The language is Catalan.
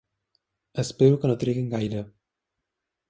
Espero que no triguin gaire.